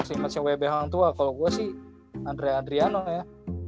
pemain pre matchnya wbh yang tua kalo gua sih andrea adriano ya